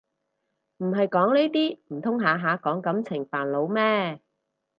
唔係講呢啲唔通下下講感情煩惱咩